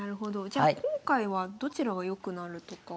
じゃ今回はどちらが良くなるとか。